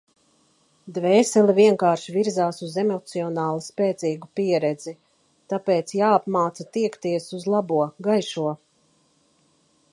Dvēsele vienkārši virzās uz emocionāli spēcīgu pieredzi... Tāpēc jāapmāca tiekties uz labo, gaišo.